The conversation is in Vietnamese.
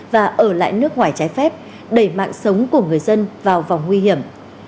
và ở lại nước ngoài trái phép đẩy mạng sống của người dân vào vòng nguy hiểm